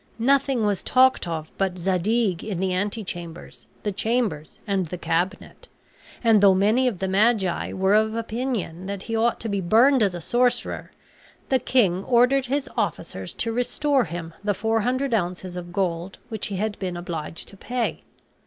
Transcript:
Nothing was talked of but Zadig in the antechambers, the chambers, and the cabinet; and though many of the magi were of opinion that he ought to be burned as a sorcerer, the king ordered his officers to restore him the four hundred ounces of gold which he had been obliged to pay.